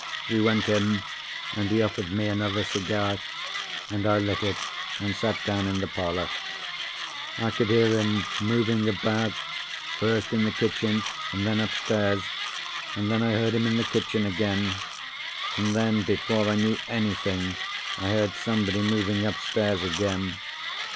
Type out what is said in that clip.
We went in, and he offered me another cigar, and I lit it and sat down in the parlour. I could hear him moving about, first in the kitchen and then upstairs, and then I heard him in the kitchen again; and then before I knew anything I heard somebody moving upstairs again.